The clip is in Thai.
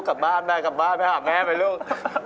กลับบ้านมามาหาแม่ไปลูก